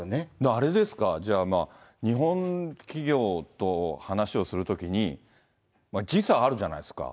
あれですか、じゃあまあ、日本企業と話をするときに、時差あるじゃないですか。